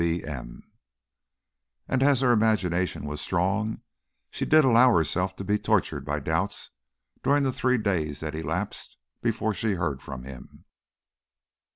B. M." And as her imagination was strong she did allow herself to be tortured by doubts during the three days that elapsed before she heard from him.